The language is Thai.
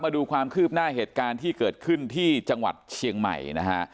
มาดูความคืบหน้าเหตุการณ์ที่เกิดขึ้นที่จังหวัดเชียงใหม่นะฮะ